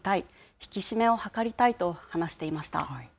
引き締めを図りたいと話していました。